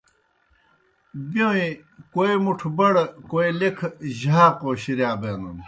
بَیؤں کوئی مُٹھہ بڑہ کوئی لیکھہ جھاقو شِرِیا بینَن۔